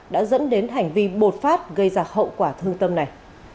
đã dẫn đến hành vi bột phát gây ra hậu quả thương tâm này